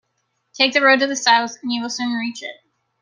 Take the road to the South and you will soon reach it.